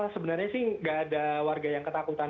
sebenarnya sih nggak ada warga yang ketakutan